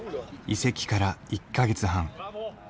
移籍から１か月半。